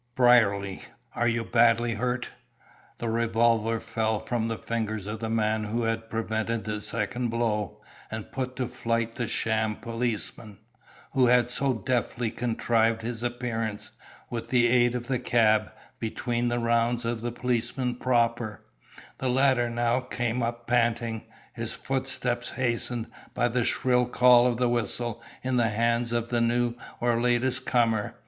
"Brierly! Are you badly hurt?" The revolver fell from the fingers of the man who had prevented the second blow, and put to flight the sham policeman, who had so deftly contrived his appearance, with the aid of the cab, between the rounds of the policeman proper, the latter now came up panting, his footsteps hastened by the shrill call of the whistle in the hands of the new or latest comer.